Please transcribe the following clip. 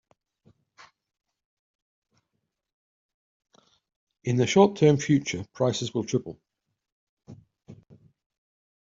In the short term future, prices will triple.